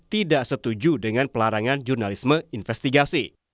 tidak setuju dengan pelarangan jurnalisme investigasi